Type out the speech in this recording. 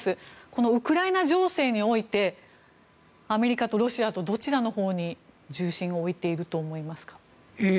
このウクライナ情勢においてアメリカとロシアとどちらのほうに重心を置いていると思いますか。